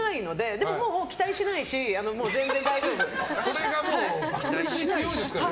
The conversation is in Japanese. でも、期待しないのでそれがもう強いですからね。